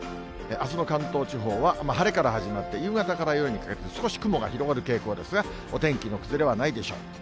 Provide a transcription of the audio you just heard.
あすの関東地方は晴れから始まって、夕方から夜にかけて少し雲が広がる傾向ですが、お天気の崩れはないでしょう。